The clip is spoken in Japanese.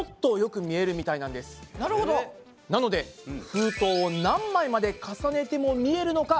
なので封筒を何枚まで重ねても見えるのか